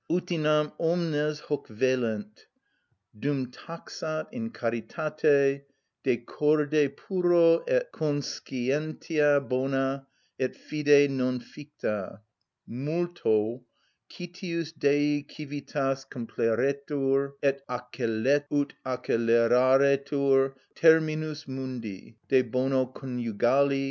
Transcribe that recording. Utinam omnes hoc vellent! dumtaxat in caritate, de corde puro et conscientia bona, et fide non ficta: multo citius Dei civitas compleretur, ut acceleraretur terminus mundi_" (De bono conjugali, c.